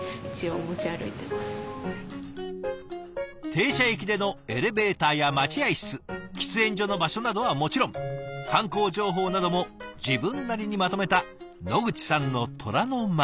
停車駅でのエレベーターや待合室喫煙所の場所などはもちろん観光情報なども自分なりにまとめた野口さんの虎の巻。